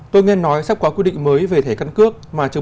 tôi nghe nói sắp có quy định mới về thẻ căn cước